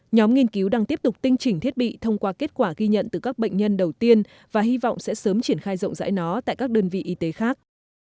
nhóm nghiên cứu đang tiếp tục tinh chỉnh thiết bị thông qua kết quả ghi nhận từ các bệnh nhân đầu tiên và hy vọng sẽ sớm triển khai rộng rãi nó tại các đơn vị y tế khác